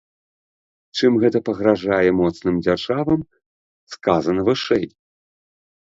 Чым гэта пагражае моцным дзяржавам, сказана вышэй.